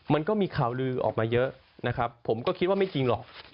มันก็มีข่าวลือออกมาเยอะนะครับผมก็คิดว่าไม่จริงหรอก